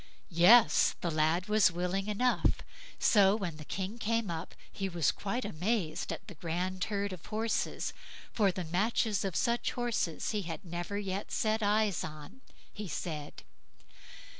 Yes! the lad was willing enough; and so when the King came up, he was quite amazed at the grand drove of horses, for the matches of such horses he had never yet set eyes on, he said.